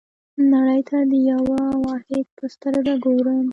نړۍ ته د یوه واحد په سترګه ګورم.